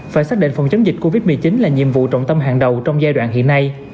phải xác định phòng chống dịch covid một mươi chín là nhiệm vụ trọng tâm hàng đầu trong giai đoạn hiện nay